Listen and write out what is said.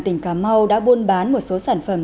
tỉnh cà mau đã buôn bán một số sản phẩm